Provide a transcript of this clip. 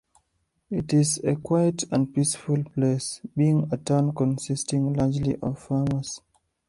It is a quiet and peaceful place, being a town consisting largely of farmers.